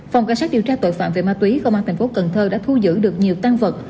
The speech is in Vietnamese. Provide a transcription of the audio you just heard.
phòng cảnh sát điều tra tội phạm về ma túy công an thành phố cần thơ đã thu giữ được nhiều tăng vật